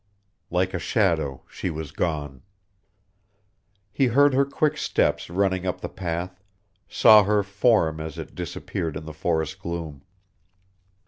Like a shadow she was gone. He heard her quick steps running up the path, saw her form as it disappeared in the forest gloom.